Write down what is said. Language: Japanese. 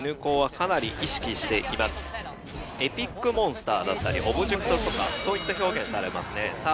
エピックモンスターだったりオブジェそういう表現されますねさあ